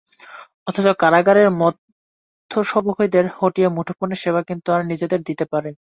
অথচ কারাগারের মধ্যস্বত্বভোগীদের হটিয়ে মুঠোফোন সেবা কিন্তু তারা নিজেরাই দিতে পারে।